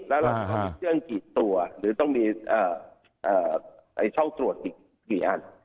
แล้วเราจะต้องมีเครื่องกี่ตัวหรือต้องมีช่องตรวจอีกกี่อัน